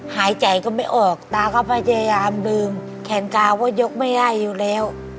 หายใจก็ไม่ออกตาก็พยายามดึงแขนกาวก็ยกไม่ได้อยู่แล้ว